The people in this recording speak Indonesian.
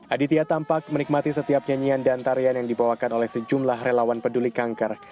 aditya tampak menikmati setiap nyanyian dan tarian yang dibawakan oleh sejumlah relawan peduli kanker